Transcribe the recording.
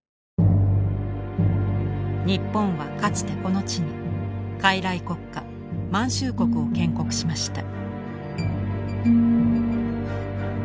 日本はかつてこの地に傀儡国家満州国を建国しました。